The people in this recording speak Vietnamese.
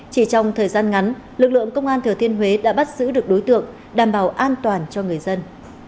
chỉ trong thời gian ngắn lực lượng công an thừa thiên huế đã bắt giữ được đối tượng đảm bảo an toàn cho người dân